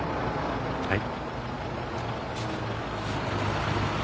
はい。